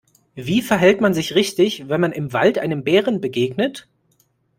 Wie verhält man sich richtig, wenn man im Wald einem Bären begegnet?